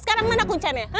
sekarang mana kuncinya